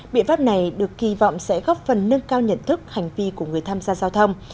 biện pháp này được kỳ vọng sẽ góp phần nâng cao nhận thức hành vi của người tham gia giao thông